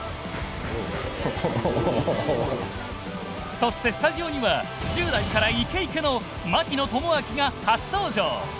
そしてスタジオには１０代からイケイケの槙野智章が初登場！